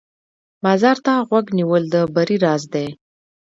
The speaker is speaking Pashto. بازار ته غوږ نیول د بری راز دی.